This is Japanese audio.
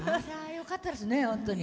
よかったですね、本当に。